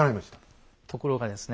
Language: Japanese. ところがですね。